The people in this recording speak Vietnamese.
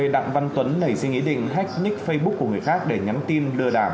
đặng văn tuấn nảy suy nghĩ định hack nick facebook của người khác để nhắn tin lừa đảo